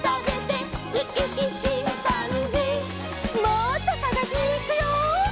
もっとさがしにいくよ。